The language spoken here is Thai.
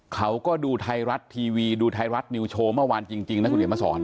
เขาก็ดูไทยรัฐทีวีดูไทยรัฐนิวโชว์เมื่อวานจริงนะคุณเขียนมาสอน